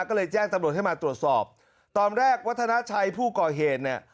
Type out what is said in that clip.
ก็เลยแจ้งตำรวจให้มาตรวจสอบตอนแรกวัฒนาชัยผู้ก่อเหตุเนี่ย